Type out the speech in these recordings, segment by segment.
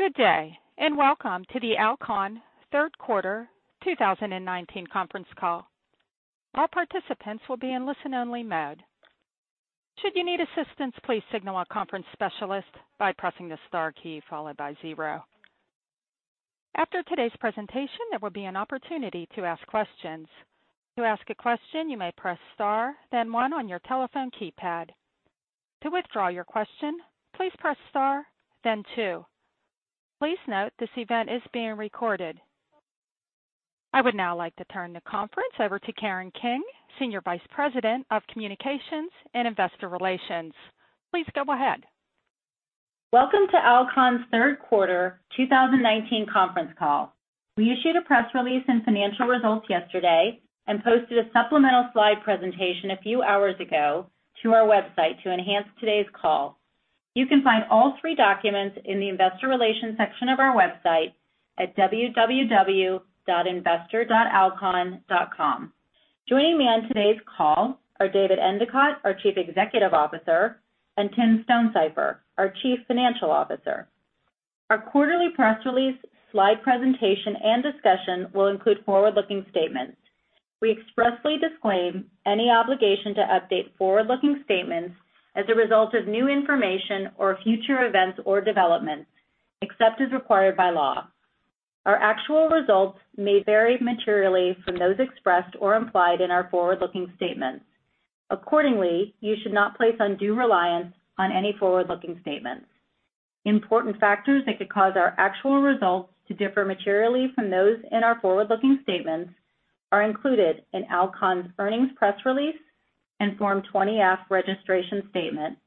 Good day, and welcome to the Alcon third quarter 2019 conference call. All participants will be in listen-only mode. Should you need assistance, please signal our conference specialist by pressing the star key followed by zero. After today's presentation, there will be an opportunity to ask questions. To ask a question, you may press star then one on your telephone keypad. To withdraw your question, please press star then two. Please note this event is being recorded. I would now like to turn the conference over to Karen King, Senior Vice President of Communications and Investor Relations. Please go ahead. Welcome to Alcon's third quarter 2019 conference call. We issued a press release and financial results yesterday and posted a supplemental slide presentation a few hours ago to our website to enhance today's call. You can find all three documents in the investor relations section of our website at www.investor.alcon.com. Joining me on today's call are David Endicott, our Chief Executive Officer, and Tim Stonesifer, our Chief Financial Officer. Our quarterly press release, slide presentation, and discussion will include forward-looking statements. We expressly disclaim any obligation to update forward-looking statements as a result of new information or future events or developments, except as required by law. Our actual results may vary materially from those expressed or implied in our forward-looking statements. Accordingly, you should not place undue reliance on any forward-looking statements. Important factors that could cause our actual results to differ materially from those in our forward-looking statements are included in Alcon's earnings press release and Form 20-F registration statement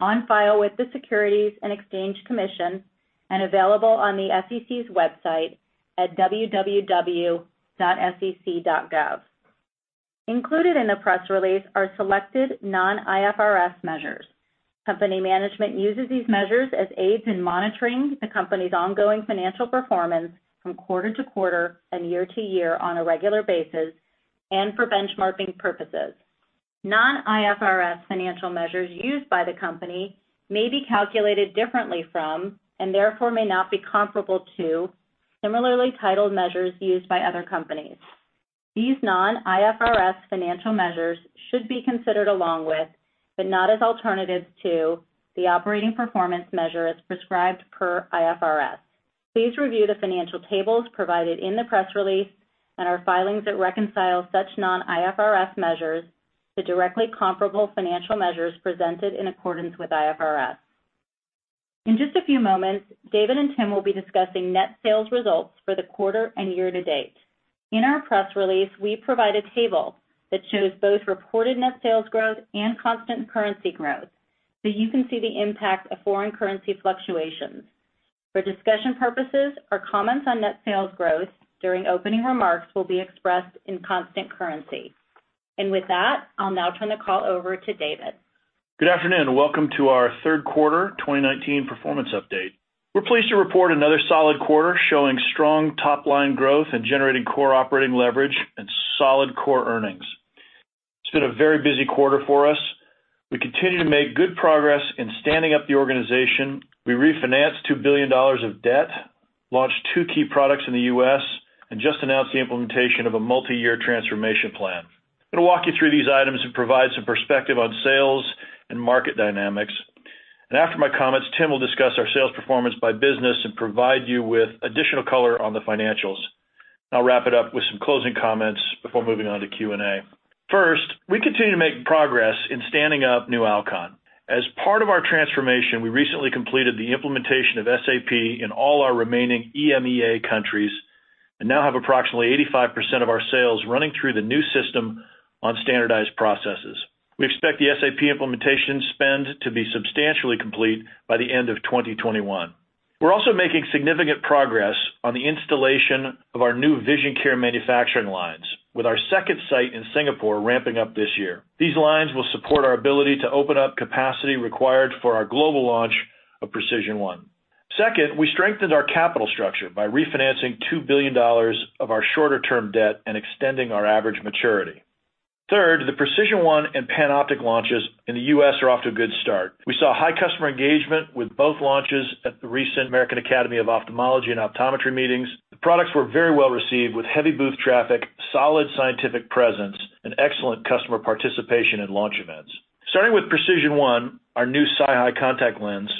on file with the Securities and Exchange Commission and available on the SEC's website at www.sec.gov. Included in the press release are selected non-IFRS measures. Company management uses these measures as aids in monitoring the company's ongoing financial performance from quarter to quarter and year to year on a regular basis and for benchmarking purposes. Non-IFRS financial measures used by the company may be calculated differently from, and therefore may not be comparable to, similarly titled measures used by other companies. These non-IFRS financial measures should be considered along with, but not as alternatives to, the operating performance measures prescribed per IFRS. Please review the financial tables provided in the press release and our filings that reconcile such non-IFRS measures to directly comparable financial measures presented in accordance with IFRS. In just a few moments, David and Tim will be discussing net sales results for the quarter and year to date. In our press release, we provide a table that shows both reported net sales growth and constant currency growth, so you can see the impact of foreign currency fluctuations. For discussion purposes, our comments on net sales growth during opening remarks will be expressed in constant currency. With that, I'll now turn the call over to David. Good afternoon. Welcome to our third quarter 2019 performance update. We're pleased to report another solid quarter showing strong top-line growth and generating core operating leverage and solid core earnings. It's been a very busy quarter for us. We continue to make good progress in standing up the organization. We refinanced $2 billion of debt, launched two key products in the U.S., and just announced the implementation of a multi-year Transformation Plan. I'm going to walk you through these items and provide some perspective on sales and market dynamics. After my comments, Tim will discuss our sales performance by business and provide you with additional color on the financials. I'll wrap it up with some closing comments before moving on to Q&A. First, we continue to make progress in standing up new Alcon. As part of our transformation, we recently completed the implementation of SAP in all our remaining EMEA countries and now have approximately 85% of our sales running through the new system on standardized processes. We expect the SAP implementation spend to be substantially complete by the end of 2021. We're also making significant progress on the installation of our new vision care manufacturing lines, with our second site in Singapore ramping up this year. These lines will support our ability to open up capacity required for our global launch of PRECISION1. We strengthened our capital structure by refinancing $2 billion of our shorter-term debt and extending our average maturity. The PRECISION1 and PanOptix launches in the U.S. are off to a good start. We saw high customer engagement with both launches at the recent American Academy of Ophthalmology and Optometry meetings. The products were very well received with heavy booth traffic, solid scientific presence, and excellent customer participation in launch events. Starting with PRECISION1, our new SiHy contact lens,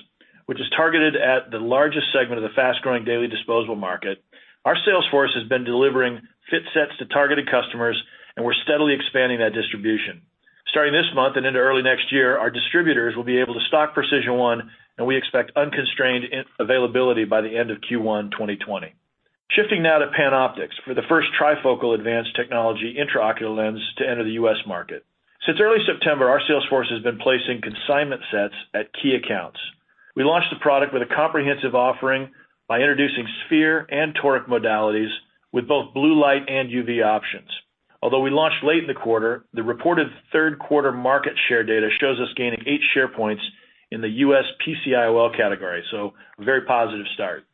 which is targeted at the largest segment of the fast-growing daily disposable market, our sales force has been delivering fit sets to targeted customers, and we're steadily expanding that distribution. Starting this month and into early next year, our distributors will be able to stock PRECISION1, and we expect unconstrained availability by the end of Q1 2020. Shifting now to PanOptix, for the first trifocal Advanced Technology Intraocular Lens to enter the U.S. market. Since early September, our sales force has been placing consignment sets at key accounts. We launched the product with a comprehensive offering by introducing sphere and Toric modalities with both blue light and UV options. Although we launched late in the quarter, the reported third quarter market share data shows us gaining 8 share points in the U.S. PC IOL category, so a very positive start.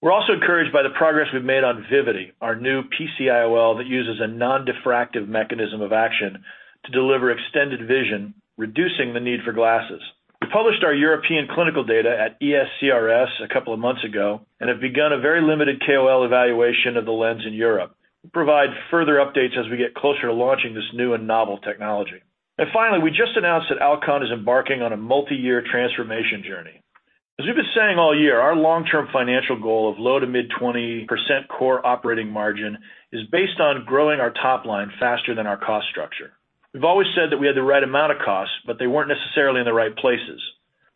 We're also encouraged by the progress we've made on Vivity, our new PC IOL that uses a non-diffractive mechanism of action to deliver extended vision, reducing the need for glasses. We published our European clinical data at ESCRS a couple of months ago and have begun a very limited KOL evaluation of the lens in Europe. We'll provide further updates as we get closer to launching this new and novel technology. Finally, we just announced that Alcon is embarking on a multi-year transformation journey. As we've been saying all year, our long-term financial goal of low to mid-20% core operating margin is based on growing our top line faster than our cost structure. We've always said that we had the right amount of costs, but they weren't necessarily in the right places.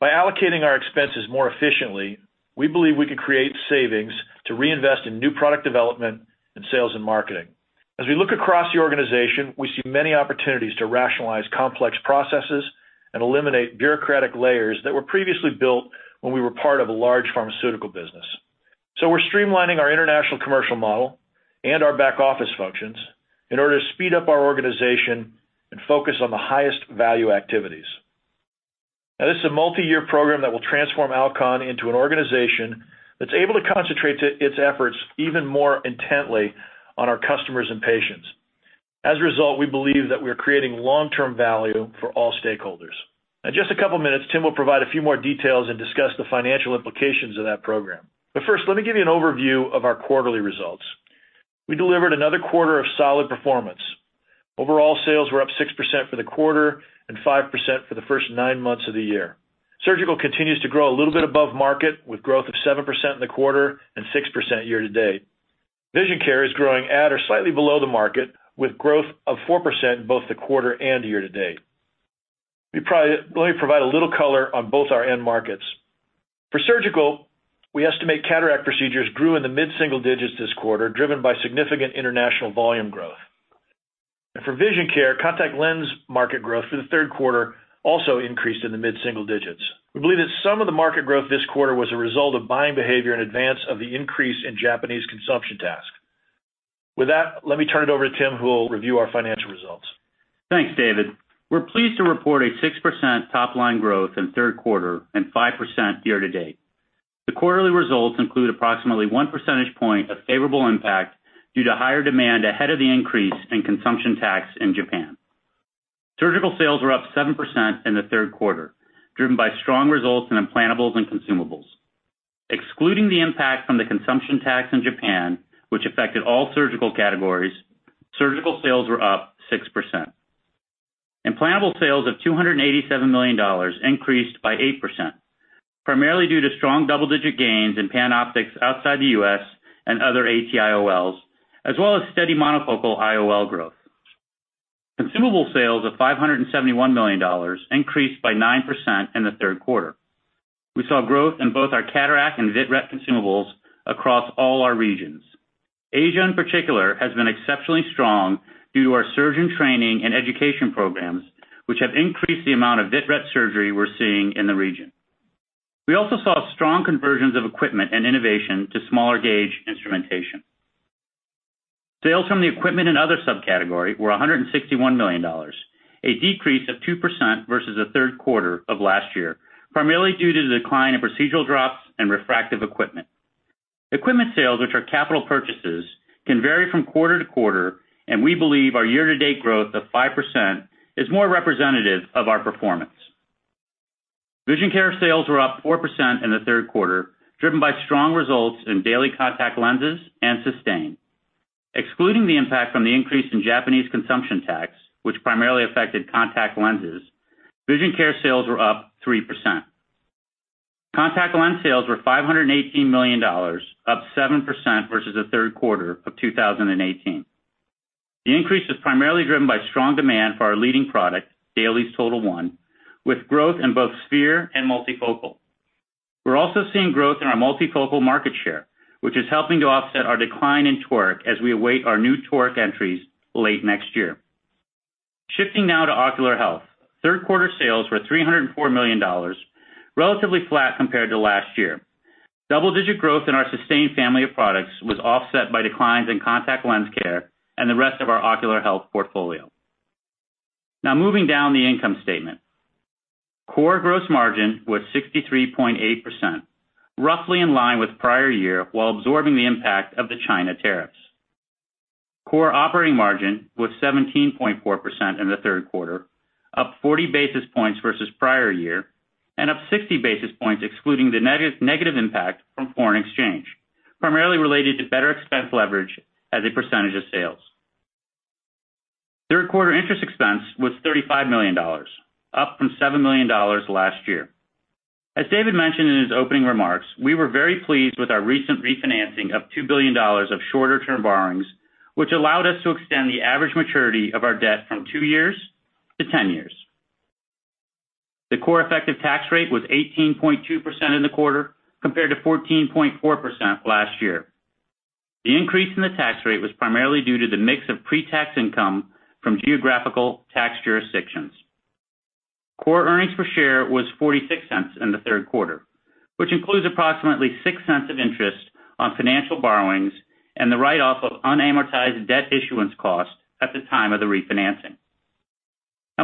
By allocating our expenses more efficiently, we believe we can create savings to reinvest in new product development and sales and marketing. As we look across the organization, we see many opportunities to rationalize complex processes and eliminate bureaucratic layers that were previously built when we were part of a large pharmaceutical business. We're streamlining our international commercial model and our back-office functions in order to speed up our organization and focus on the highest value activities. Now, this is a multi-year program that will transform Alcon into an organization that's able to concentrate its efforts even more intently on our customers and patients. As a result, we believe that we are creating long-term value for all stakeholders. In just a couple of minutes, Tim will provide a few more details and discuss the financial implications of that program. First, let me give you an overview of our quarterly results. We delivered another quarter of solid performance. Overall sales were up 6% for the quarter and 5% for the first nine months of the year. Surgical continues to grow a little bit above market, with growth of 7% in the quarter and 6% year to date. Vision Care is growing at or slightly below the market, with growth of 4% in both the quarter and year to date. Let me provide a little color on both our end markets. For Surgical, we estimate cataract procedures grew in the mid-single digits this quarter, driven by significant international volume growth. For Vision Care, contact lens market growth for the third quarter also increased in the mid-single digits. We believe that some of the market growth this quarter was a result of buying behavior in advance of the increase in Japanese consumption tax. With that, let me turn it over to Tim, who will review our financial results. Thanks, David. We're pleased to report a 6% top-line growth in the third quarter and 5% year-to-date. The quarterly results include approximately one percentage point of favorable impact due to higher demand ahead of the increase in consumption tax in Japan. Surgical sales were up 7% in the third quarter, driven by strong results in implantables and consumables. Excluding the impact from the consumption tax in Japan, which affected all surgical categories, surgical sales were up 6%. Implantable sales of $287 million increased by 8%, primarily due to strong double-digit gains in PanOptix outside the U.S. and other AT IOLs, as well as steady monofocal IOL growth. Consumable sales of $571 million increased by 9% in the third quarter. We saw growth in both our cataract and vitreoretinal consumables across all our regions. Asia, in particular, has been exceptionally strong due to our surgeon training and education programs, which have increased the amount of vitreoretinal surgery we're seeing in the region. We also saw strong conversions of equipment and innovation to smaller gauge instrumentation. Sales from the equipment and other subcategory were $161 million, a decrease of 2% versus the third quarter of last year, primarily due to the decline in procedural drops and refractive equipment. Equipment sales, which are capital purchases, can vary from quarter to quarter, and we believe our year-to-date growth of 5% is more representative of our performance. Vision Care sales were up 4% in the third quarter, driven by strong results in daily contact lenses and SYSTANE. Excluding the impact from the increase in Japanese consumption tax, which primarily affected contact lenses, Vision Care sales were up 3%. Contact lens sales were $518 million, up 7% versus the third quarter of 2018. The increase is primarily driven by strong demand for our leading product, DAILIES TOTAL1, with growth in both sphere and multifocal. We're also seeing growth in our multifocal market share, which is helping to offset our decline in Toric as we await our new Toric entries late next year. Shifting now to Ocular Health. Third-quarter sales were $304 million, relatively flat compared to last year. Double-digit growth in our SYSTANE family of products was offset by declines in contact lens care and the rest of our ocular health portfolio. Now moving down the income statement. Core gross margin was 63.8%, roughly in line with the prior year, while absorbing the impact of the China tariffs. Core operating margin was 17.4% in the third quarter, up 40 basis points versus the prior year and up 60 basis points excluding the negative impact from foreign exchange, primarily related to better expense leverage as a percentage of sales. Third quarter interest expense was $35 million, up from $7 million last year. As David mentioned in his opening remarks, we were very pleased with our recent refinancing of $2 billion of shorter-term borrowings, which allowed us to extend the average maturity of our debt from two years to 10 years. The core effective tax rate was 18.2% in the quarter, compared to 14.4% last year. The increase in the tax rate was primarily due to the mix of pre-tax income from geographical tax jurisdictions. Core earnings per share was $0.46 in the third quarter, which includes approximately $0.06 of interest on financial borrowings and the write-off of unamortized debt issuance costs at the time of the refinancing.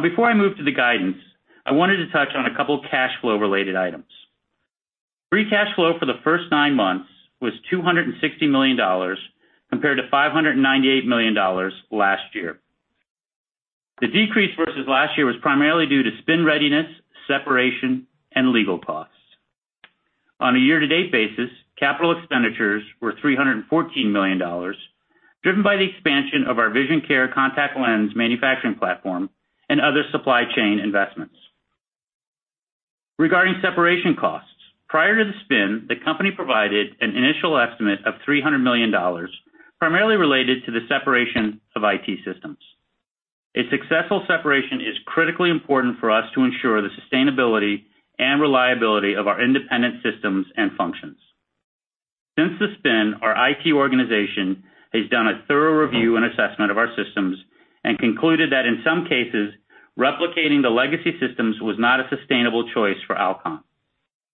Before I move to the guidance, I wanted to touch on a couple of cash flow related items. Free cash flow for the first nine months was $260 million, compared to $598 million last year. The decrease versus last year was primarily due to spin readiness, separation, and legal costs. On a year-to-date basis, capital expenditures were $314 million, driven by the expansion of our vision care contact lens manufacturing platform and other supply chain investments. Regarding separation costs, prior to the spin, the company provided an initial estimate of $300 million, primarily related to the separation of IT systems. A successful separation is critically important for us to ensure the sustainability and reliability of our independent systems and functions. Since the spin, our IT organization has done a thorough review and assessment of our systems and concluded that in some cases, replicating the legacy systems was not a sustainable choice for Alcon.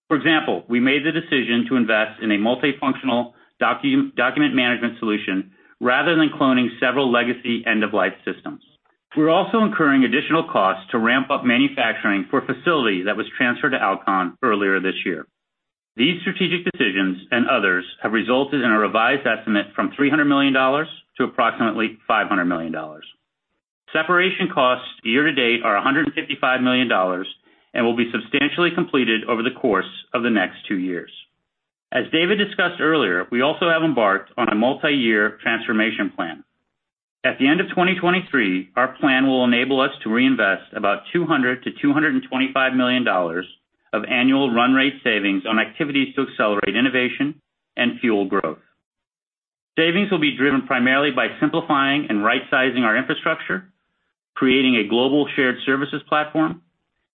For example, we made the decision to invest in a multifunctional document management solution rather than cloning several legacy end-of-life systems. We're also incurring additional costs to ramp up manufacturing for a facility that was transferred to Alcon earlier this year. These strategic decisions and others have resulted in a revised estimate from $300 million to approximately $500 million. Separation costs year to date are $155 million and will be substantially completed over the course of the next two years. As David discussed earlier, we also have embarked on a multi-year transformation plan. At the end of 2023, our plan will enable us to reinvest about $200 million-$225 million of annual run rate savings on activities to accelerate innovation and fuel growth. Savings will be driven primarily by simplifying and right-sizing our infrastructure, creating a global shared services platform,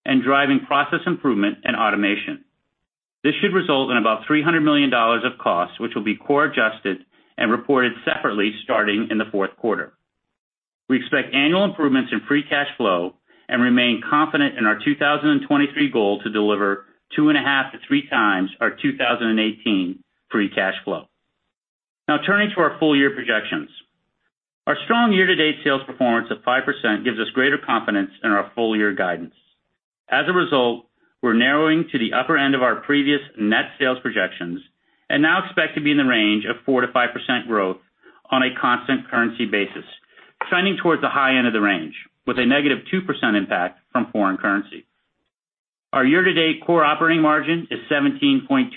and driving process improvement and automation. This should result in about $300 million of costs, which will be core adjusted and reported separately starting in the fourth quarter. We expect annual improvements in free cash flow and remain confident in our 2023 goal to deliver 2.5x-3x our 2018 free cash flow. Now turning to our full year projections. Our strong year-to-date sales performance of 5% gives us greater confidence in our full year guidance. As a result, we're narrowing to the upper end of our previous net sales projections and now expect to be in the range of 4%-5% growth on a constant currency basis, trending towards the high end of the range with a negative 2% impact from foreign currency. Our year-to-date core operating margin is 17.2%,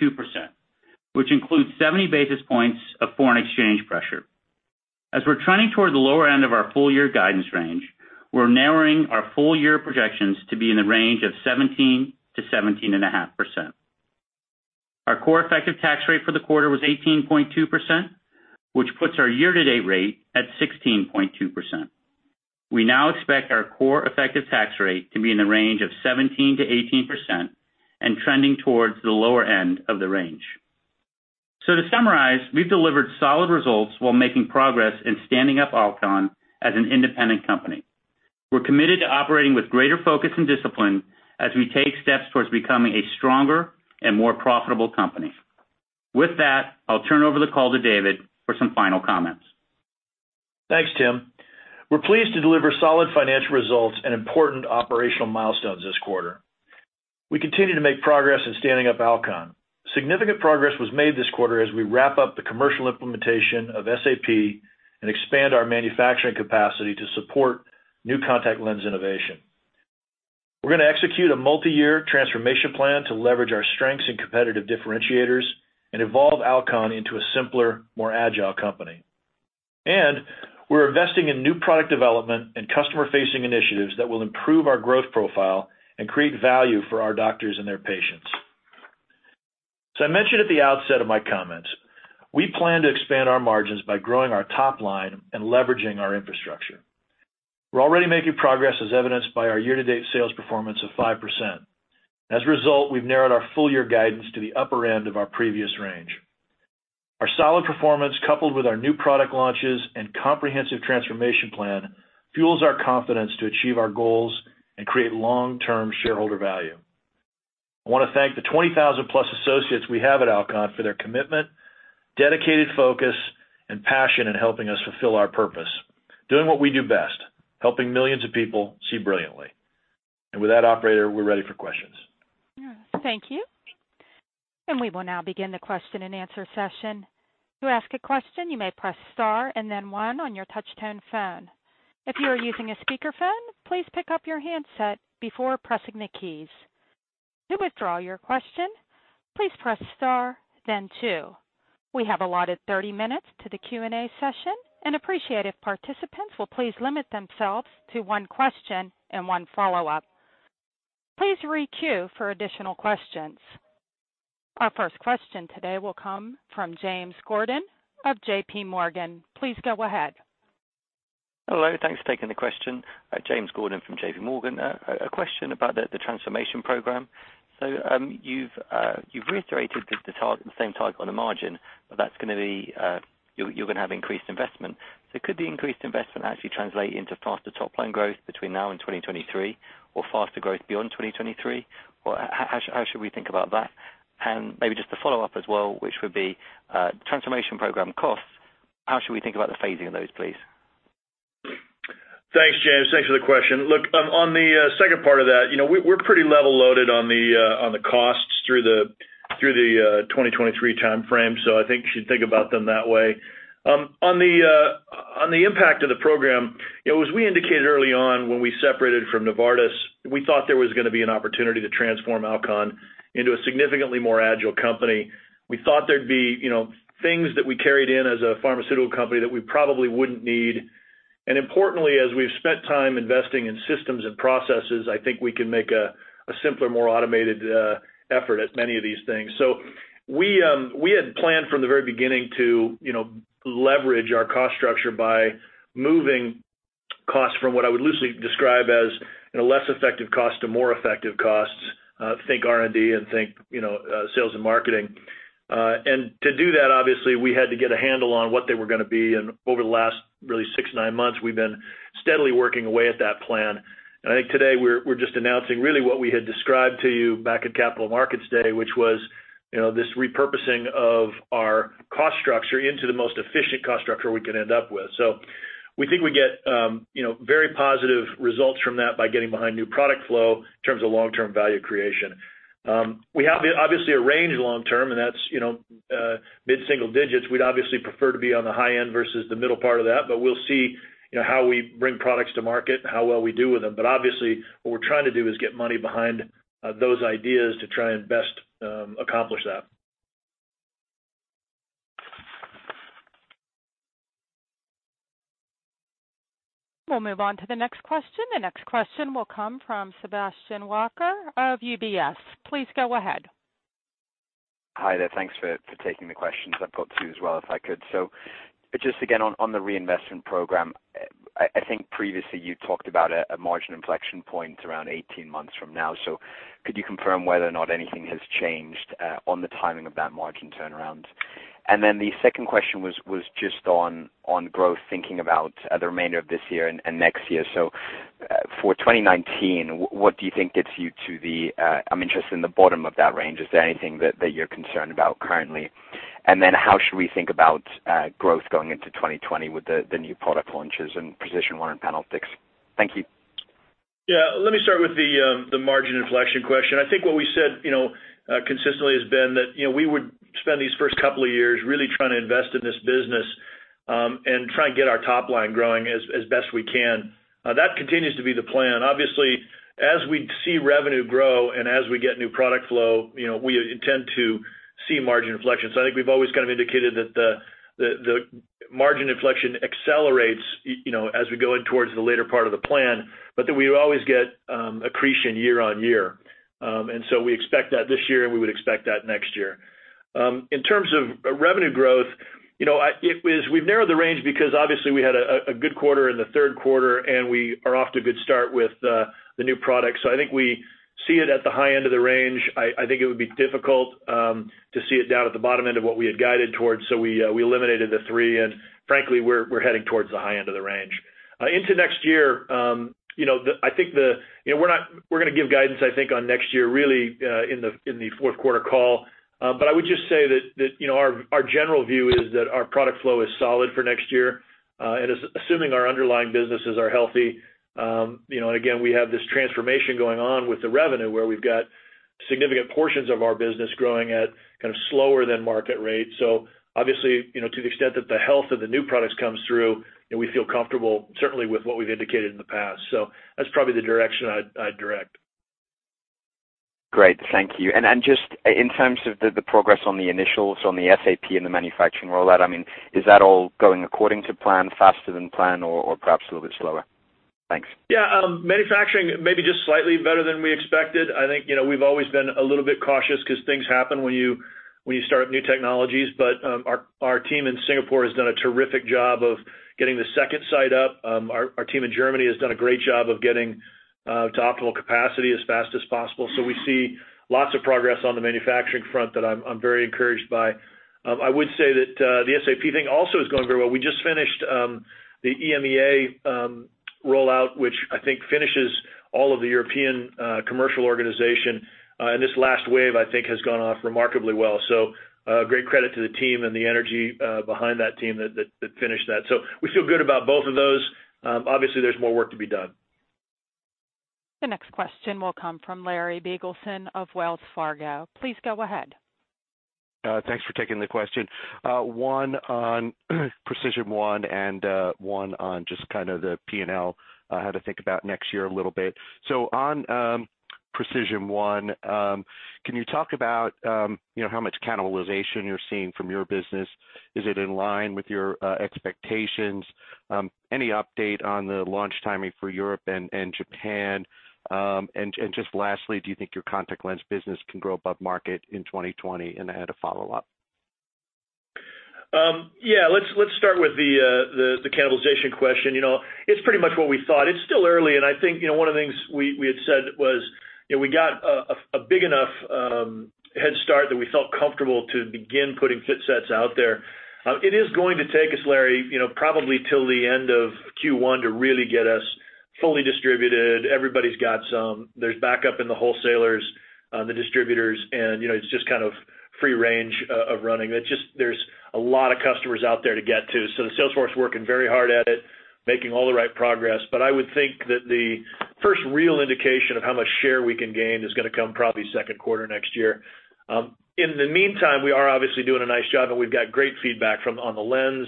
which includes 70 basis points of foreign exchange pressure. As we're trending towards the lower end of our full year guidance range, we're narrowing our full year projections to be in the range of 17%-17.5%. Our core effective tax rate for the quarter was 18.2%, which puts our year-to-date rate at 16.2%. We now expect our core effective tax rate to be in the range of 17%-18% and trending towards the lower end of the range. To summarize, we've delivered solid results while making progress in standing up Alcon as an independent company. We're committed to operating with greater focus and discipline as we take steps towards becoming a stronger and more profitable company. With that, I'll turn over the call to David for some final comments. Thanks, Tim. We're pleased to deliver solid financial results and important operational milestones this quarter. We continue to make progress in standing up Alcon. Significant progress was made this quarter as we wrap up the commercial implementation of SAP and expand our manufacturing capacity to support new contact lens innovation. We're going to execute a multi-year transformation plan to leverage our strengths and competitive differentiators and evolve Alcon into a simpler, more agile company. We're investing in new product development and customer-facing initiatives that will improve our growth profile and create value for our doctors and their patients. As I mentioned at the outset of my comments, we plan to expand our margins by growing our top line and leveraging our infrastructure. We're already making progress as evidenced by our year-to-date sales performance of 5%. As a result, we've narrowed our full year guidance to the upper end of our previous range. Our solid performance, coupled with our new product launches and comprehensive transformation plan, fuels our confidence to achieve our goals and create long-term shareholder value. I want to thank the 20,000 plus associates we have at Alcon for their commitment, dedicated focus, and passion in helping us fulfill our purpose, doing what we do best, helping millions of people see brilliantly. With that, operator, we're ready for questions. Thank you. We will now begin the question and answer session. To ask a question, you may press star and then one on your touch tone phone. If you are using a speakerphone, please pick up your handset before pressing the keys. To withdraw your question, please press star then two. We have allotted 30 minutes to the Q&A session and appreciate if participants will please limit themselves to one question and one follow-up. Please re-queue for additional questions. Our first question today will come from James Gordon of J.P. Morgan. Please go ahead. Hello. Thanks for taking the question. James Gordon from J.P. Morgan. A question about the Transformation Program. You've reiterated the same target on the margin, but you're going to have increased investment. Could the increased investment actually translate into faster top line growth between now and 2023 or faster growth beyond 2023? How should we think about that? Maybe just a follow-up as well, which would be Transformation Program costs. How should we think about the phasing of those, please? Thanks, James. Thanks for the question. On the second part of that, we're pretty level loaded on the costs through the 2023 timeframe. I think you should think about them that way. On the impact of the program, as we indicated early on when we separated from Novartis, we thought there was going to be an opportunity to transform Alcon into a significantly more agile company. We thought there'd be things that we carried in as a pharmaceutical company that we probably wouldn't need. Importantly, as we've spent time investing in systems and processes, I think we can make a simpler, more automated effort at many of these things. We had planned from the very beginning to leverage our cost structure by moving costs from what I would loosely describe as a less effective cost to more effective costs, think R&D and think sales and marketing. To do that, obviously, we had to get a handle on what they were going to be. Over the last really six, nine months, we've been steadily working away at that plan. I think today we're just announcing really what we had described to you back at Capital Markets Day, which was this repurposing of our cost structure into the most efficient cost structure we could end up with. We think we get very positive results from that by getting behind new product flow in terms of long-term value creation. We have obviously a range long term, and that's mid-single digits. We'd obviously prefer to be on the high end versus the middle part of that, but we'll see how we bring products to market and how well we do with them. Obviously, what we're trying to do is get money behind those ideas to try and best accomplish that. We'll move on to the next question. The next question will come from Sebastian Walker of UBS. Please go ahead. Hi there. Thanks for taking the questions. I've got two as well if I could. Just again, on the reinvestment program, I think previously you talked about a margin inflection point around 18 months from now. Could you confirm whether or not anything has changed on the timing of that margin turnaround? Then the second question was just on growth, thinking about the remainder of this year and next year. For 2019, what do you think gets you to the-- I'm interested in the bottom of that range. Is there anything that you're concerned about currently? Then how should we think about growth going into 2020 with the new product launches and PRECISION1 and PanOptix? Thank you. Yeah. Let me start with the margin inflection question. I think what we said consistently has been that we would spend these first couple of years really trying to invest in this business, and try and get our top line growing as best we can. That continues to be the plan. Obviously, as we see revenue grow and as we get new product flow, we intend to see margin inflection. I think we've always kind of indicated that the margin inflection accelerates as we go in towards the later part of the plan, but that we always get accretion year on year. We expect that this year and we would expect that next year. In terms of revenue growth, we've narrowed the range because obviously we had a good quarter in the third quarter, and we are off to a good start with the new product. I think we see it at the high end of the range. I think it would be difficult to see it down at the bottom end of what we had guided towards, so we eliminated the three, and frankly, we're heading towards the high end of the range. Into next year, we're going to give guidance, I think, on next year, really in the fourth quarter call. I would just say that our general view is that our product flow is solid for next year, and assuming our underlying businesses are healthy. Again, we have this transformation going on with the revenue where we've got significant portions of our business growing at kind of slower than market rate. Obviously, to the extent that the health of the new products comes through, we feel comfortable certainly with what we've indicated in the past. That's probably the direction I'd direct. Great. Thank you. Just in terms of the progress on the initials on the SAP and the manufacturing rollout, is that all going according to plan, faster than plan, or perhaps a little bit slower? Thanks. Manufacturing, maybe just slightly better than we expected. I think we've always been a little bit cautious because things happen when you start new technologies. Our team in Singapore has done a terrific job of getting the second site up. Our team in Germany has done a great job of getting to optimal capacity as fast as possible. We see lots of progress on the manufacturing front that I'm very encouraged by. I would say that the SAP thing also is going very well. We just finished the EMEA rollout, which I think finishes all of the European commercial organization. This last wave, I think, has gone off remarkably well. Great credit to the team and the energy behind that team that finished that. We feel good about both of those. Obviously, there's more work to be done. The next question will come from Larry Biegelsen of Wells Fargo. Please go ahead. Thanks for taking the question. One on Precision1 and one on just kind of the P&L, how to think about next year a little bit. On Precision1, can you talk about how much cannibalization you're seeing from your business? Is it in line with your expectations? Any update on the launch timing for Europe and Japan? Just lastly, do you think your contact lens business can grow above market in 2020? I had a follow-up. Let's start with the cannibalization question. It's pretty much what we thought. It's still early, and I think one of the things we had said was we got a big enough head start that we felt comfortable to begin putting fit sets out there. It is going to take us, Larry, probably till the end of Q1 to really get us fully distributed, everybody's got some. There's backup in the wholesalers, the distributors, and it's just kind of free range of running. There's a lot of customers out there to get to. The sales force is working very hard at it, making all the right progress. I would think that the first real indication of how much share we can gain is going to come probably second quarter next year. In the meantime, we are obviously doing a nice job, and we've got great feedback on the lens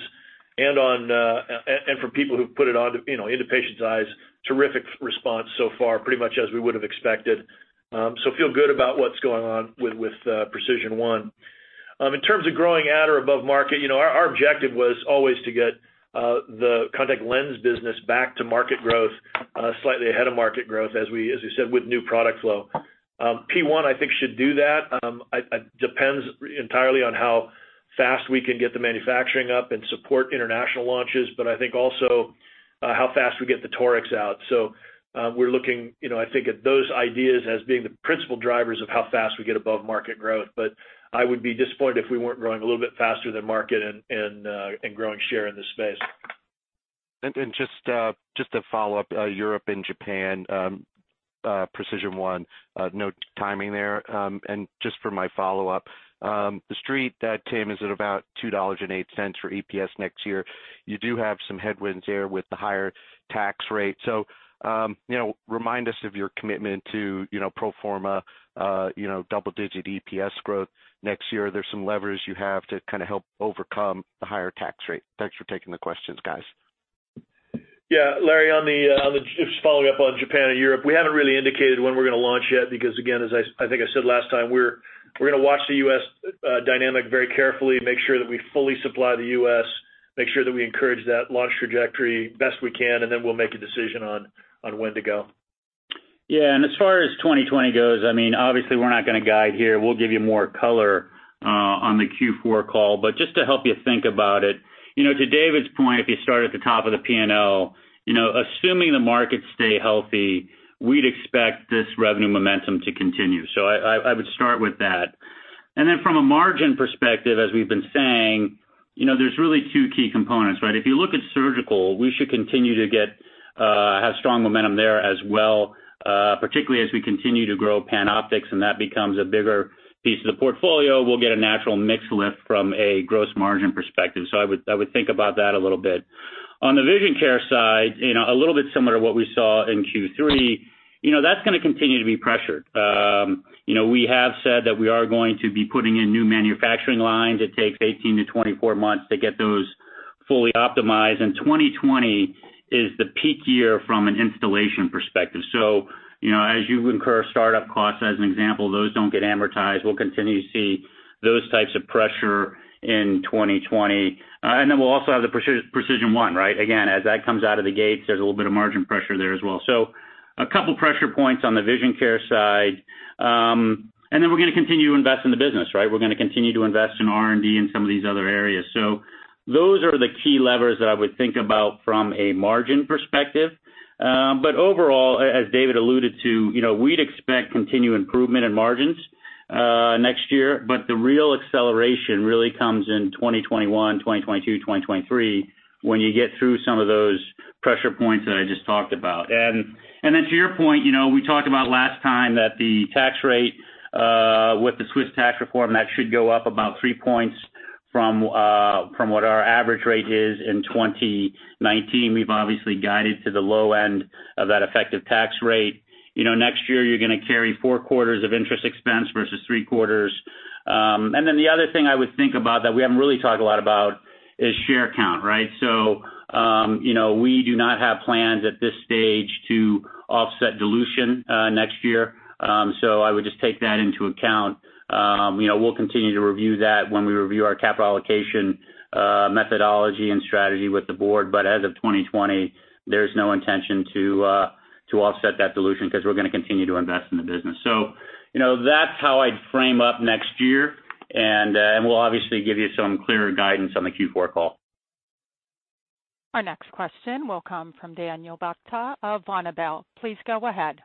and from people who've put it into patients' eyes. Terrific response so far, pretty much as we would have expected. Feel good about what's going on with PRECISION1. In terms of growing at or above market, our objective was always to get the contact lens business back to market growth, slightly ahead of market growth, as we said, with new product flow. PRECISION1, I think, should do that. Depends entirely on how fast we can get the manufacturing up and support international launches, but I think also how fast we get the Torics out. We're looking, I think, at those ideas as being the principal drivers of how fast we get above market growth. I would be disappointed if we weren't growing a little bit faster than market and growing share in this space. Just to follow up, Europe and Japan, PRECISION1, no timing there. Just for my follow-up, the Street, that team is at about $2.08 for EPS next year. You do have some headwinds there with the higher tax rate. Remind us of your commitment to pro forma double-digit EPS growth next year. There's some levers you have to kind of help overcome the higher tax rate. Thanks for taking the questions, guys. Larry, just following up on Japan and Europe, we haven't really indicated when we're going to launch yet, because again, as I think I said last time, we're going to watch the U.S. dynamic very carefully, make sure that we fully supply the U.S., make sure that we encourage that launch trajectory best we can, and then we'll make a decision on when to go. As far as 2020 goes, obviously we're not going to guide here. We'll give you more color on the Q4 call. Just to help you think about it, to David's point, if you start at the top of the P&L, assuming the markets stay healthy, we'd expect this revenue momentum to continue. I would start with that. From a margin perspective, as we've been saying, there's really two key components, right? If you look at surgical, we should continue to have strong momentum there as well, particularly as we continue to grow PanOptix and that becomes a bigger piece of the portfolio. We'll get a natural mix lift from a gross margin perspective. I would think about that a little bit. On the vision care side, a little bit similar to what we saw in Q3, that's going to continue to be pressured. We have said that we are going to be putting in new manufacturing lines. It takes 18-24 months to get those fully optimized. 2020 is the peak year from an installation perspective. As you incur startup costs, as an example, those don't get amortized. We'll continue to see those types of pressure in 2020. We'll also have the PRECISION1, right? Again, as that comes out of the gates, there's a little bit of margin pressure there as well. A couple pressure points on the vision care side. We're going to continue to invest in the business, right? We're going to continue to invest in R&D in some of these other areas. Those are the key levers that I would think about from a margin perspective. Overall, as David alluded to, we'd expect continued improvement in margins next year. The real acceleration really comes in 2021, 2022, 2023, when you get through some of those pressure points that I just talked about. Then to your point, we talked about last time that the tax rate with the Swiss tax reform, that should go up about three points from what our average rate is in 2019. We've obviously guided to the low end of that effective tax rate. Next year, you're going to carry four quarters of interest expense versus three quarters. Then the other thing I would think about that we haven't really talked a lot about is share count, right? We do not have plans at this stage to offset dilution next year. I would just take that into account. We'll continue to review that when we review our capital allocation methodology and strategy with the board. As of 2020, there's no intention to offset that dilution because we're going to continue to invest in the business. That's how I'd frame up next year, and we'll obviously give you some clearer guidance on the Q4 call. Our next question will come from Daniel Buchta of Vontobel. Please go ahead.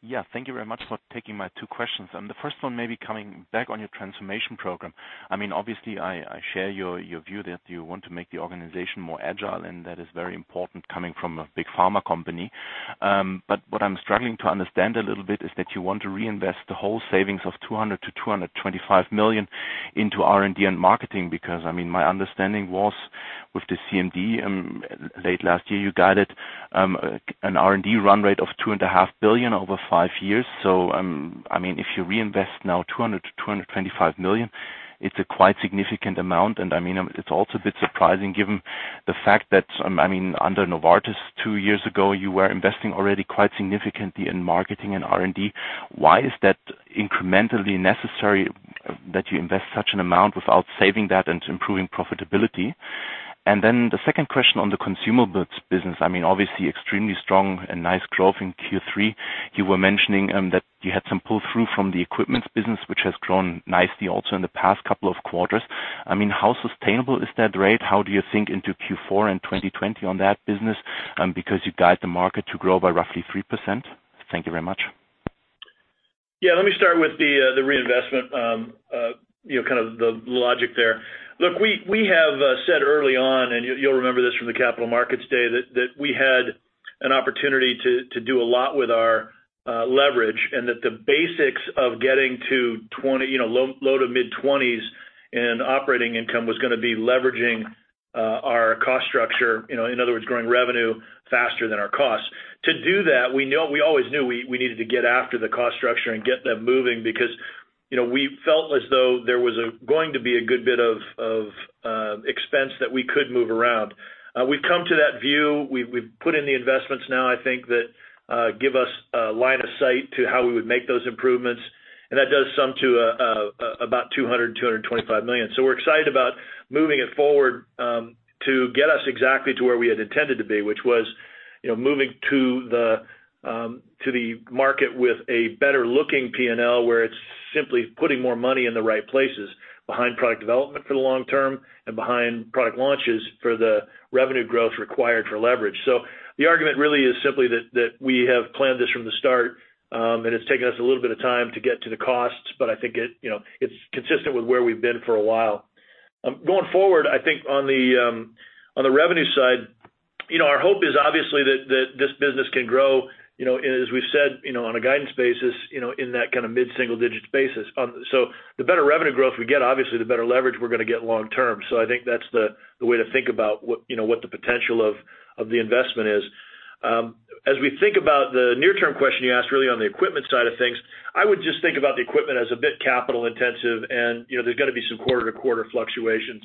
Yeah, thank you very much for taking my two questions. The first one may be coming back on your transformation program. Obviously, I share your view that you want to make the organization more agile, that is very important coming from a big pharma company. What I'm struggling to understand a little bit is that you want to reinvest the whole savings of $200 million-$225 million into R&D and marketing, because my understanding was with the CMD late last year, you guided an R&D run rate of $2.5 billion over five years. If you reinvest now $200 million-$225 million, it's a quite significant amount. It's also a bit surprising given the fact that under Novartis two years ago, you were investing already quite significantly in marketing and R&D. Why is that incrementally necessary that you invest such an amount without saving that and improving profitability? The second question on the consumables business. Obviously extremely strong and nice growth in Q3. You were mentioning that you had some pull-through from the equipment business, which has grown nicely also in the past couple of quarters. How sustainable is that rate? How do you think into Q4 and 2020 on that business? You guide the market to grow by roughly 3%. Thank you very much. Yeah, let me start with the reinvestment, kind of the logic there. Look, we have said early on, and you'll remember this from the Capital Markets Day, that we had an opportunity to do a lot with our leverage, and that the basics of getting to low to mid-20s in operating income was going to be leveraging our cost structure. In other words, growing revenue faster than our costs. To do that, we always knew we needed to get after the cost structure and get that moving because we felt as though there was going to be a good bit of expense that we could move around. We've come to that view. We've put in the investments now, I think, that give us a line of sight to how we would make those improvements, and that does sum to about $200 million, $225 million. We're excited about moving it forward to get us exactly to where we had intended to be, which was moving to the market with a better-looking P&L where it's simply putting more money in the right places, behind product development for the long term and behind product launches for the revenue growth required for leverage. The argument really is simply that we have planned this from the start, and it's taken us a little bit of time to get to the costs, but I think it's consistent with where we've been for a while. Going forward, I think on the revenue side, our hope is obviously that this business can grow, as we've said, on a guidance basis, in that kind of mid-single digit basis. The better revenue growth we get, obviously the better leverage we're going to get long term. I think that's the way to think about what the potential of the investment is. As we think about the near-term question you asked really on the equipment side of things, I would just think about the equipment as a bit capital intensive, and there's going to be some quarter-to-quarter fluctuation.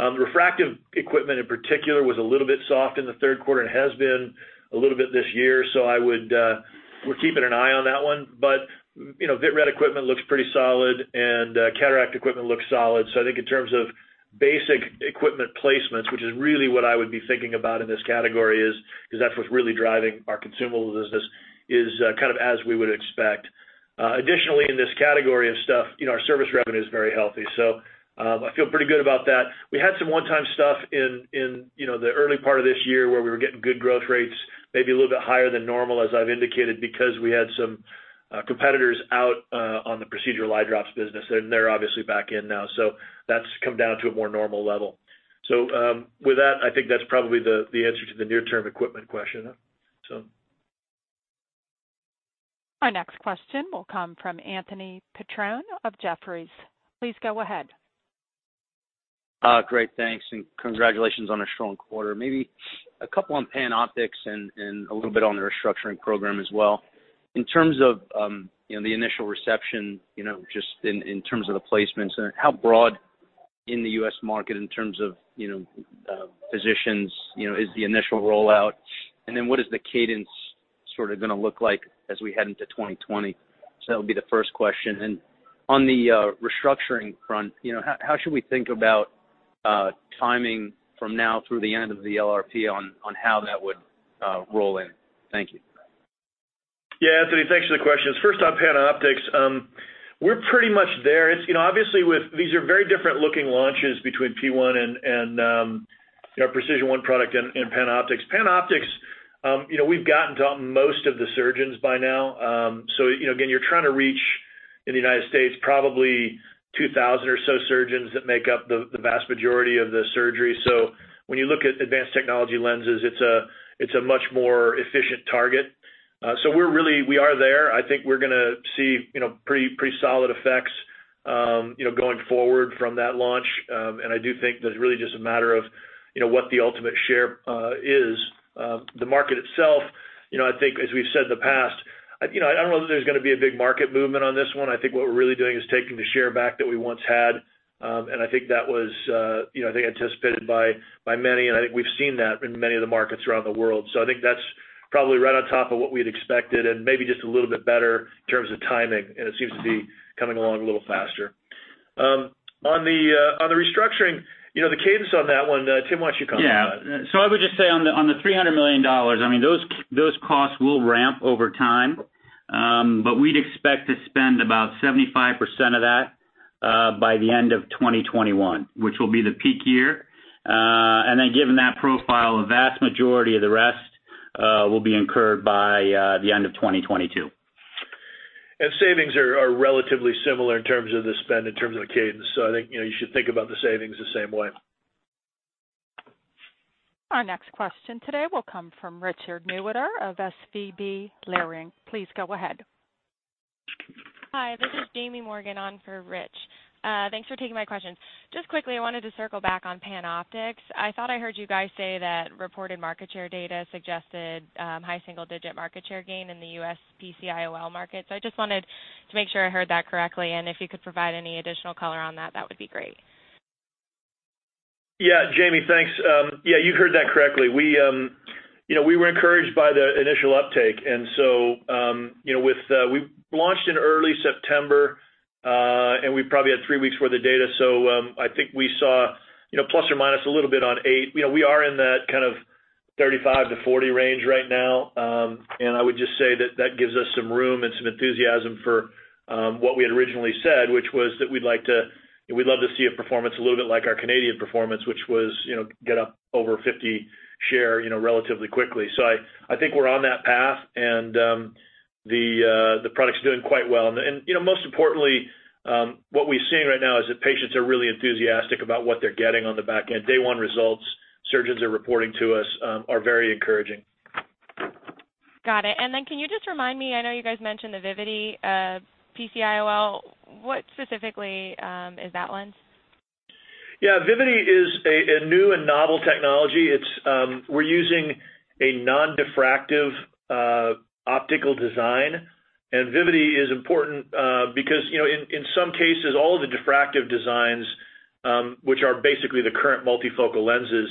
Refractive equipment in particular was a little bit soft in the third quarter and has been a little bit this year, so we're keeping an eye on that one. Vitreoretinal equipment looks pretty solid, and cataract equipment looks solid. I think in terms of basic equipment placements, which is really what I would be thinking about in this category is, because that's what's really driving our consumables business, is kind of as we would expect. Additionally, in this category of stuff, our service revenue is very healthy. I feel pretty good about that. We had some one-time stuff in the early part of this year where we were getting good growth rates, maybe a little bit higher than normal, as I've indicated, because we had some competitors out on the procedural eye drops business. They're obviously back in now. That's come down to a more normal level. With that, I think that's probably the answer to the near-term equipment question. Our next question will come from Anthony Petrone of Jefferies. Please go ahead. Great, thanks. Congratulations on a strong quarter. Maybe a couple on PanOptix, a little bit on the restructuring program as well. In terms of the initial reception, just in terms of the placements, how broad in the U.S. market in terms of physicians is the initial rollout? What is the cadence sort of going to look like as we head into 2020? That'll be the first question. On the restructuring front, how should we think about timing from now through the end of the LRP on how that would roll in? Thank you. Yeah, Anthony, thanks for the questions. First off, PanOptix. We're pretty much there. Obviously, these are very different looking launches between PRECISION1 and PanOptix. PanOptix, we've gotten to most of the surgeons by now. Again, you're trying to reach, in the U.S., probably 2,000 or so surgeons that make up the vast majority of the surgery. When you look at advanced technology lenses, it's a much more efficient target. We are there. I think we're going to see pretty solid effects going forward from that launch, and I do think that it's really just a matter of what the ultimate share is. The market itself, I think as we've said in the past, I don't know that there's going to be a big market movement on this one. I think what we're really doing is taking the share back that we once had. I think that was anticipated by many. I think we've seen that in many of the markets around the world. I think that's probably right on top of what we'd expected and maybe just a little bit better in terms of timing. It seems to be coming along a little faster. On the restructuring, the cadence on that one, Tim, why don't you comment on that? Yeah. I would just say on the $300 million, those costs will ramp over time. We'd expect to spend about 75% of that by the end of 2021, which will be the peak year. Given that profile, a vast majority of the rest will be incurred by the end of 2022. Savings are relatively similar in terms of the spend, in terms of the cadence. I think you should think about the savings the same way. Our next question today will come from Richard Newitter of SVB Leerink. Please go ahead. Hi, this is Jamie Morgan on for Rich. Thanks for taking my question. Just quickly, I wanted to circle back on PanOptix. I thought I heard you guys say that reported market share data suggested high single-digit market share gain in the U.S. PCIOL market. I just wanted to make sure I heard that correctly, and if you could provide any additional color on that would be great. Jamie, thanks. You heard that correctly. We were encouraged by the initial uptake, and so we launched in early September, and we probably had 3 weeks worth of data. I think we saw ± a little bit on eight. We are in that kind of 35%-40% range right now. I would just say that that gives us some room and some enthusiasm for what we had originally said, which was that we'd love to see a performance a little bit like our Canadian performance, which was get up over 50% share relatively quickly. I think we're on that path, and the product's doing quite well. Most importantly, what we're seeing right now is that patients are really enthusiastic about what they're getting on the back end. Day one results, surgeons are reporting to us are very encouraging. Got it. Can you just remind me, I know you guys mentioned the Vivity PCIOL. What specifically is that lens? Yeah. Vivity is a new and novel technology. We're using a non-diffractive optical design. Vivity is important because in some cases, all of the diffractive designs, which are basically the current multifocal lenses,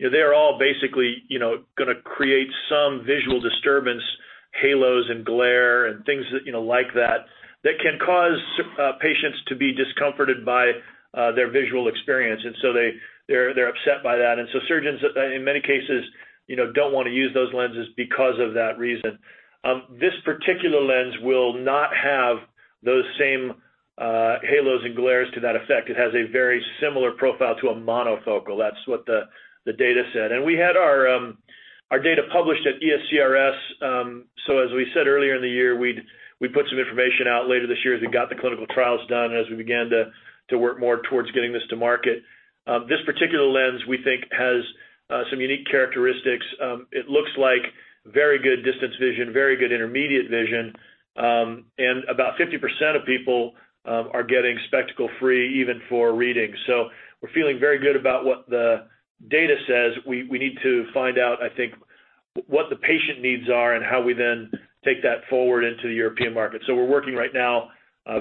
they're all basically going to create some visual disturbance, halos and glare and things like that can cause patients to be discomforted by their visual experience. They're upset by that. Surgeons, in many cases, don't want to use those lenses because of that reason. This particular lens will not have those same halos and glares to that effect. It has a very similar profile to a monofocal. That's what the data said. We had our data published at ESCRS. As we said earlier in the year, we'd put some information out later this year as we got the clinical trials done and as we began to work more towards getting this to market. This particular lens, we think has some unique characteristics. It looks like very good distance vision, very good intermediate vision. About 50% of people are getting spectacle-free even for reading. We're feeling very good about what the data says. We need to find out, I think, what the patient needs are and how we then take that forward into the European market. We're working right now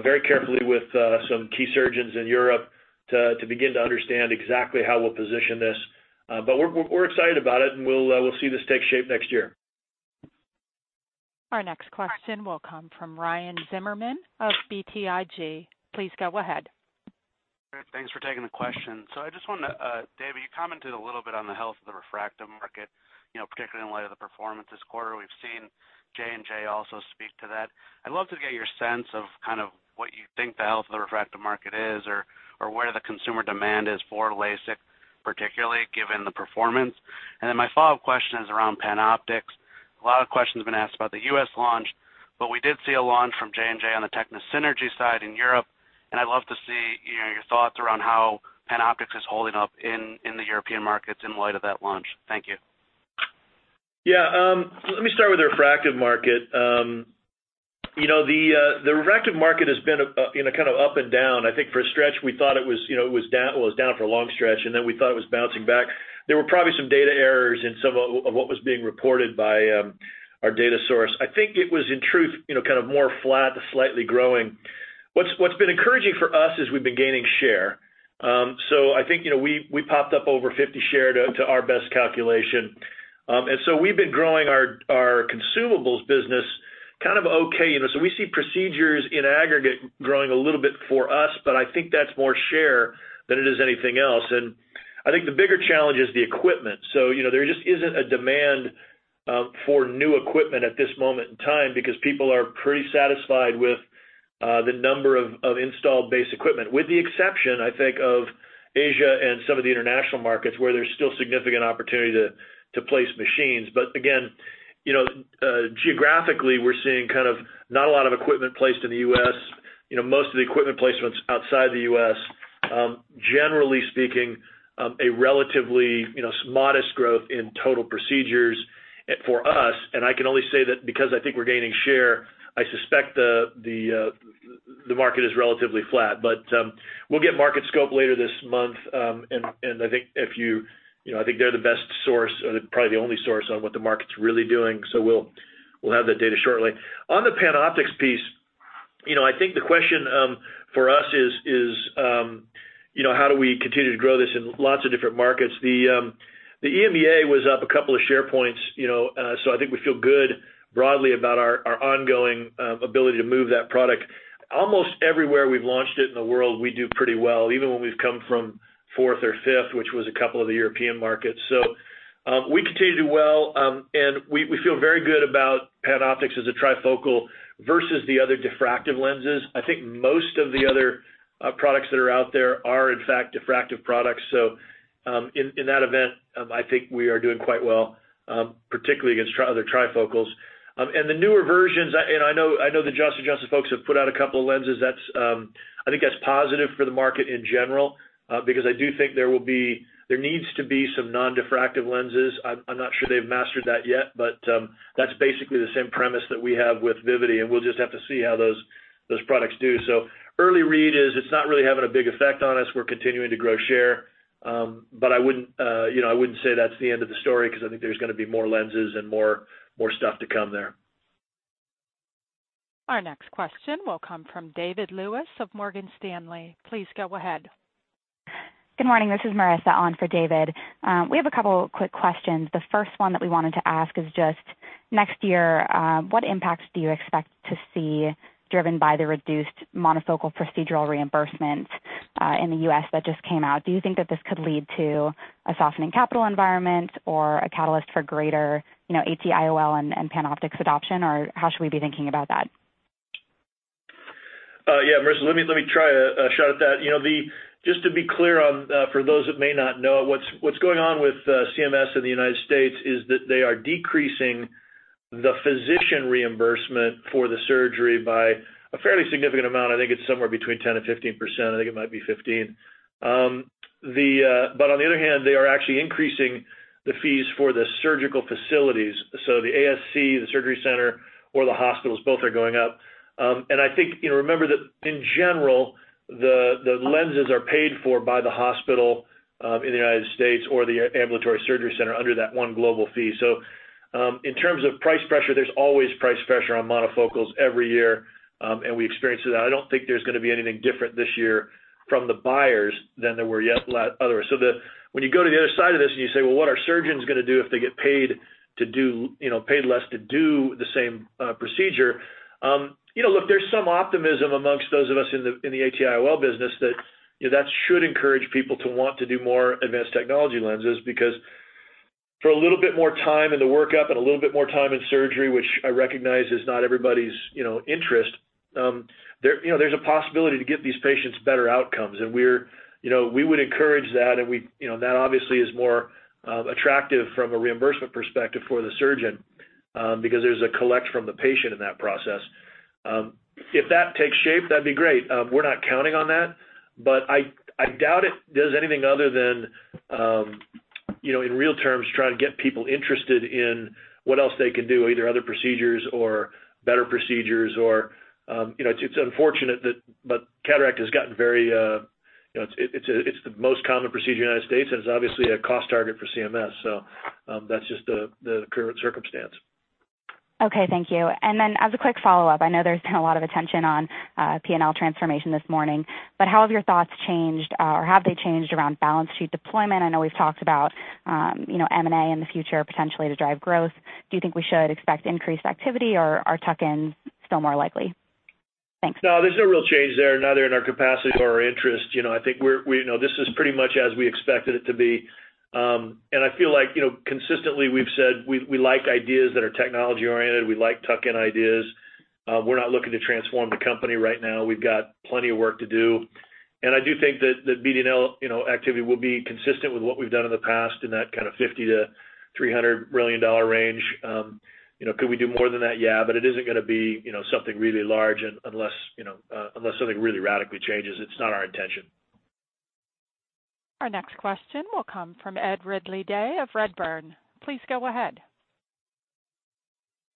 very carefully with some key surgeons in Europe to begin to understand exactly how we'll position this. We're excited about it, and we'll see this take shape next year. Our next question will come from Ryan Zimmerman of BTIG. Please go ahead. Thanks for taking the question. Dave, you commented a little bit on the health of the refractive market, particularly in light of the performance this quarter. We've seen J&J also speak to that. I'd love to get your sense of kind of what you think the health of the refractive market is or where the consumer demand is for LASIK, particularly given the performance. My follow-up question is around PanOptix. A lot of questions have been asked about the U.S. launch, but we did see a launch from J&J on the TECNIS Synergy side in Europe, and I'd love to see your thoughts around how PanOptix is holding up in the European markets in light of that launch. Thank you. Yeah. Let me start with the refractive market. The refractive market has been kind of up and down. I think for a stretch, we thought it was down for a long stretch, and then we thought it was bouncing back. There were probably some data errors in some of what was being reported by our data source. I think it was in truth kind of more flat to slightly growing. What's been encouraging for us is we've been gaining share. I think we popped up over 50 share to our best calculation. We've been growing our consumables business kind of okay. We see procedures in aggregate growing a little bit for us, I think that's more share than it is anything else. I think the bigger challenge is the equipment. There just isn't a demand for new equipment at this moment in time because people are pretty satisfied with the number of installed base equipment, with the exception, I think, of Asia and some of the international markets where there's still significant opportunity to place machines. Again, geographically, we're seeing kind of not a lot of equipment placed in the U.S. Most of the equipment placement's outside the U.S. Generally speaking, a relatively modest growth in total procedures for us. I can only say that because I think we're gaining share, I suspect the market is relatively flat. We'll get Market Scope later this month, and I think they're the best source or probably the only source on what the market's really doing. We'll have that data shortly. On the PanOptix piece, I think the question for us is how do we continue to grow this in lots of different markets? The EMEA was up a couple of share points, I think we feel good broadly about our ongoing ability to move that product. Almost everywhere we've launched it in the world, we do pretty well, even when we've come from fourth or fifth, which was a couple of the European markets. We continue to do well, and we feel very good about PanOptix as a trifocal versus the other diffractive lenses. I think most of the other products that are out there are, in fact, diffractive products. In that event, I think we are doing quite well, particularly against other trifocals. The newer versions, and I know the Johnson & Johnson folks have put out a couple of lenses. I think that's positive for the market in general, because I do think there needs to be some non-diffractive lenses. I'm not sure they've mastered that yet, but that's basically the same premise that we have with Vivity, and we'll just have to see how those products do. Early read is it's not really having a big effect on us. We're continuing to grow share. I wouldn't say that's the end of the story because I think there's going to be more lenses and more stuff to come there. Our next question will come from David Lewis of Morgan Stanley. Please go ahead. Good morning. This is Marissa on for David. We have a couple quick questions. The first one that we wanted to ask is just next year, what impacts do you expect to see driven by the reduced monofocal procedural reimbursement in the U.S. that just came out? Do you think that this could lead to a softening capital environment or a catalyst for greater AT-IOL and PanOptix adoption, or how should we be thinking about that? Yeah, Marissa, let me try a shot at that. Just to be clear on, for those that may not know, what's going on with CMS in the U.S. is that they are decreasing the physician reimbursement for the surgery by a fairly significant amount. I think it's somewhere between 10% and 15%. I think it might be 15. On the other hand, they are actually increasing the fees for the surgical facilities. The ASC, the surgery center, or the hospitals, both are going up. I think, remember that in general, the lenses are paid for by the hospital in the U.S. or the ambulatory surgery center under that one global fee. In terms of price pressure, there's always price pressure on monofocals every year, and we experience it. I don't think there's going to be anything different this year from the buyers than there were other. When you go to the other side of this and you say, "Well, what are surgeons going to do if they get paid less to do the same procedure?" Look, there's some optimism amongst those of us in the AT IOL business that should encourage people to want to do more advanced technology lenses, because for a little bit more time in the workup and a little bit more time in surgery, which I recognize is not everybody's interest, there's a possibility to get these patients better outcomes. We would encourage that, and that obviously is more attractive from a reimbursement perspective for the surgeon, because there's a collect from the patient in that process. If that takes shape, that'd be great. We're not counting on that, but I doubt it does anything other than, in real terms, trying to get people interested in what else they can do, either other procedures or better procedures. It's unfortunate that cataract has gotten, it's the most common procedure in the U.S., and it's obviously a cost target for CMS, so that's just the current circumstance. Okay, thank you. Then as a quick follow-up, I know there's been a lot of attention on P&L transformation this morning, but how have your thoughts changed, or have they changed around balance sheet deployment? I know we've talked about M&A in the future potentially to drive growth. Do you think we should expect increased activity, or are tuck-ins still more likely? Thanks. No, there's no real change there, neither in our capacity or our interest. I think this is pretty much as we expected it to be. I feel like consistently we've said we like ideas that are technology-oriented. We like tuck-in ideas. We're not looking to transform the company right now. We've got plenty of work to do. I do think that BD&L activity will be consistent with what we've done in the past in that kind of $50 million-$300 million range. Could we do more than that? Yeah, but it isn't going to be something really large unless something really radically changes. It's not our intention. Our next question will come from Ed Ridley-Day of Redburn. Please go ahead.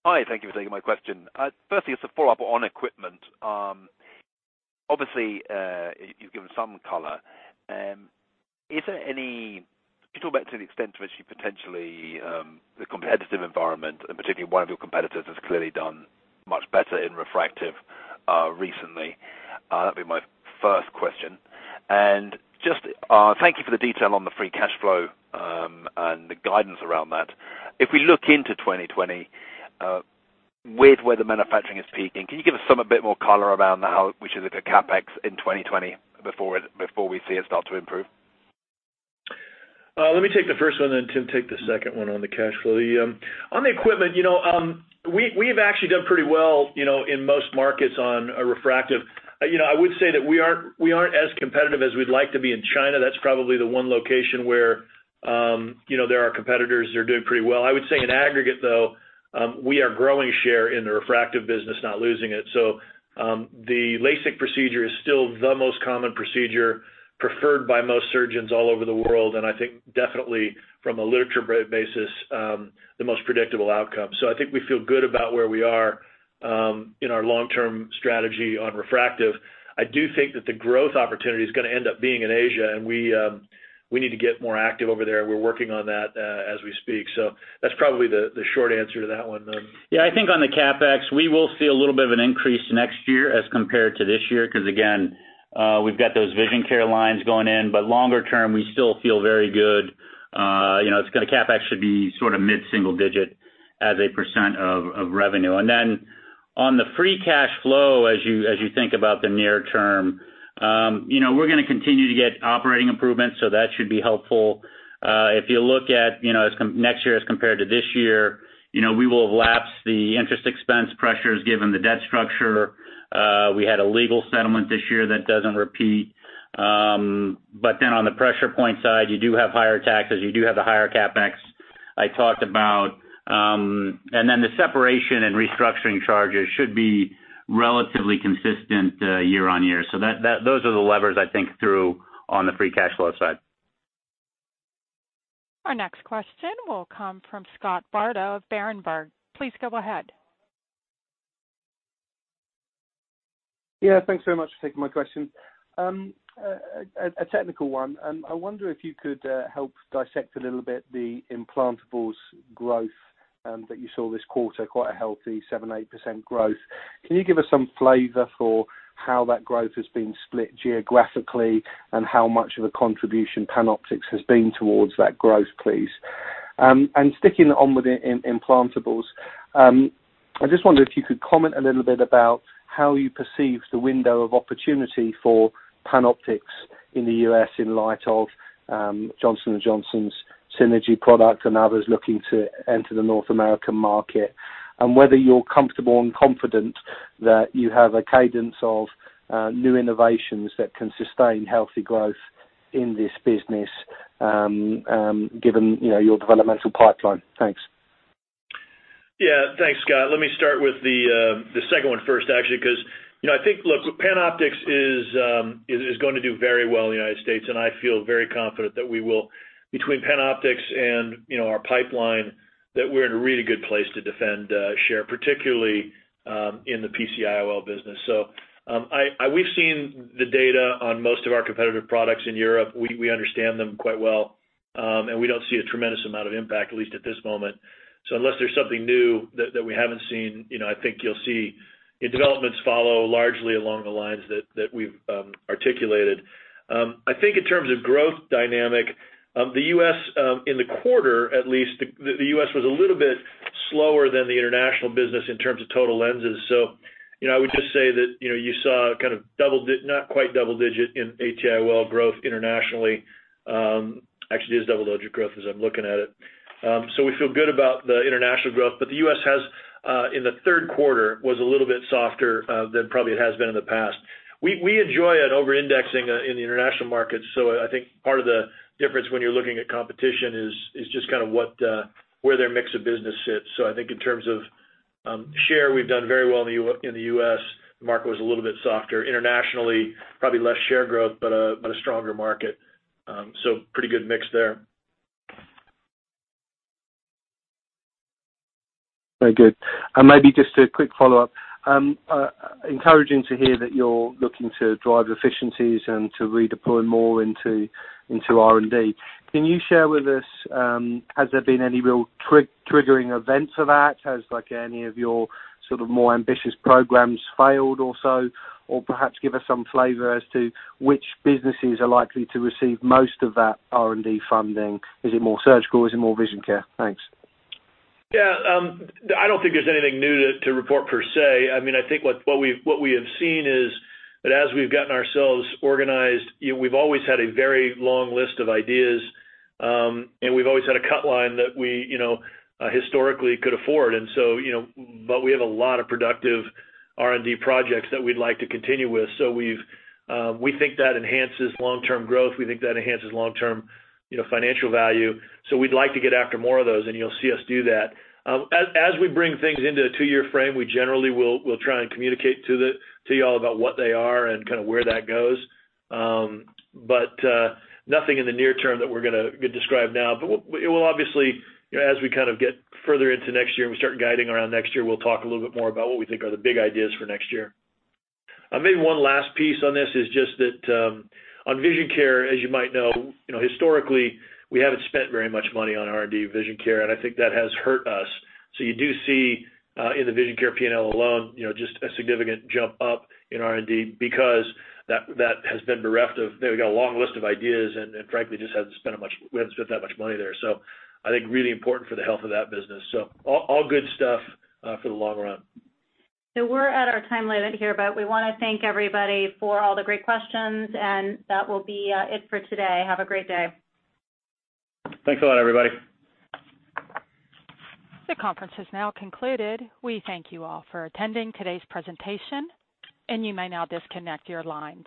Hi, thank you for taking my question. Firstly, it's a follow-up on equipment. Obviously, you've given some color. Can you talk about the extent to which the competitive environment, particularly one of your competitors, has clearly done much better in refractive recently? That'd be my first question. Just thank you for the detail on the free cash flow and the guidance around that. If we look into 2020, with where the manufacturing is peaking, can you give us a bit more color around how we should look at CapEx in 2020 before we see it start to improve? Let me take the first one, then Tim take the second one on the cash flow. On the equipment, we've actually done pretty well in most markets on refractive. I would say that we aren't as competitive as we'd like to be in China. That's probably the one location where there are competitors that are doing pretty well. I would say in aggregate, though, we are growing share in the refractive business, not losing it. The LASIK procedure is still the most common procedure preferred by most surgeons all over the world, and I think definitely from a literature basis, the most predictable outcome. I think we feel good about where we are in our long-term strategy on refractive. I do think that the growth opportunity is going to end up being in Asia, and we need to get more active over there. We're working on that as we speak. That's probably the short answer to that one, then. I think on the CapEx, we will see a little bit of an increase next year as compared to this year, because again, we've got those Vision Care lines going in. Longer term, we still feel very good. CapEx should be sort of mid-single digit as a % of revenue. On the free cash flow, as you think about the near term, we're going to continue to get operating improvements, so that should be helpful. If you look at next year as compared to this year, we will have lapsed the interest expense pressures given the debt structure. We had a legal settlement this year that doesn't repeat. Then on the pressure point side, you do have higher taxes, you do have the higher CapEx I talked about. The separation and restructuring charges should be relatively consistent year-on-year. Those are the levers I think through on the free cash flow side. Our next question will come from Scott Bardo of Berenberg. Please go ahead. Yeah, thanks very much for taking my question. A technical one. I wonder if you could help dissect a little bit the implantables growth that you saw this quarter, quite a healthy 7%-8% growth. Can you give us some flavor for how that growth has been split geographically and how much of a contribution PanOptix has been towards that growth, please? Sticking on with the implantables, I just wonder if you could comment a little bit about how you perceive the window of opportunity for PanOptix in the U.S. in light of Johnson & Johnson's Synergy product and others looking to enter the North American market, and whether you're comfortable and confident that you have a cadence of new innovations that can sustain healthy growth in this business, given your developmental pipeline? Thanks. Thanks, Scott. Let me start with the second one first actually, because I think PanOptix is going to do very well in the U.S., and I feel very confident that between PanOptix and our pipeline, that we're in a really good place to defend share, particularly in the PCIOL business. We've seen the data on most of our competitive products in Europe. We understand them quite well. We don't see a tremendous amount of impact, at least at this moment. Unless there's something new that we haven't seen, I think you'll see developments follow largely along the lines that we've articulated. I think in terms of growth dynamic, the U.S. in the quarter, at least the U.S. was a little bit slower than the international business in terms of total lenses. I would just say that you saw not quite double-digit in AT-IOL growth internationally. Actually, it is double-digit growth as I'm looking at it. We feel good about the international growth, but the U.S. in the third quarter was a little bit softer than probably it has been in the past. We enjoy it over-indexing in the international markets. I think part of the difference when you're looking at competition is just kind of where their mix of business sits. I think in terms of share, we've done very well in the U.S. The market was a little bit softer internationally, probably less share growth, but a stronger market. Pretty good mix there. Very good. Maybe just a quick follow-up. Encouraging to hear that you're looking to drive efficiencies and to redeploy more into R&D. Can you share with us, has there been any real triggering event for that? Has any of your sort of more ambitious programs failed or so. Or perhaps give us some flavor as to which businesses are likely to receive most of that R&D funding. Is it more surgical? Is it more vision care? Thanks. Yeah. I don't think there's anything new to report per se. I think what we have seen is that as we've gotten ourselves organized, we've always had a very long list of ideas, and we've always had a cut line that we historically could afford. We have a lot of productive R&D projects that we'd like to continue with. We think that enhances long-term growth. We think that enhances long-term financial value. We'd like to get after more of those, and you'll see us do that. As we bring things into a two-year frame, we generally will try and communicate to you all about what they are and kind of where that goes. Nothing in the near term that we're going to describe now. Obviously, as we kind of get further into next year and we start guiding around next year, we'll talk a little bit more about what we think are the big ideas for next year. Maybe one last piece on this is just that on Vision Care, as you might know, historically, we haven't spent very much money on R&D Vision Care, and I think that has hurt us. You do see in the Vision Care P&L alone just a significant jump up in R&D because that has been bereft of, we've got a long list of ideas, and frankly, we haven't spent that much money there. I think really important for the health of that business. All good stuff for the long run. We're at our time limit here, but we want to thank everybody for all the great questions, and that will be it for today. Have a great day. Thanks a lot, everybody. The conference has now concluded. We thank you all for attending today's presentation, and you may now disconnect your lines.